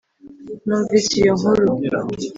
numvise iyo nkuru,